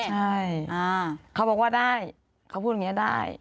ใช่เขาบอกว่าได้เขาพูดอย่างนี้ได้